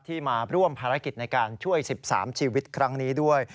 มาร่วมภารกิจในการช่วย๑๓ชีวิตครั้งนี้ด้วย